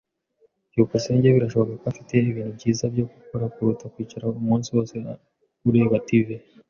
byukusenge birashoboka ko afite ibintu byiza byo gukora kuruta kwicara umunsi wose ureba TV.